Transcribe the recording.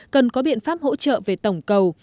cần có biện pháp hỗ trợ về tổng cầu